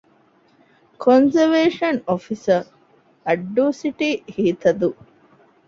ކޮންޒަވޭޝަން އޮފިސަރ - އައްޑޫ ސިޓީ ހިތަދޫ